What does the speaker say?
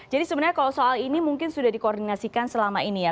jadi sebenarnya kalau soal ini mungkin sudah dikoordinasikan selama ini ya